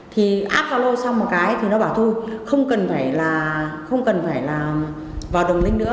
thì add gia lô xong một cái thì nó bảo thôi không cần phải là vào đường linh nữa